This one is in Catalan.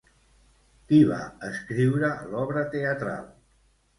Qui va escriure l'obra teatral?